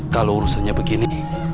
kalau urusannya begini